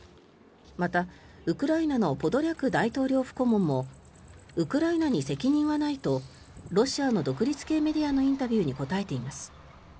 また、ウクライナのポドリャク大統領府顧問もウクライナに責任はないとロシアの独立系メディアのインタビューに答えています。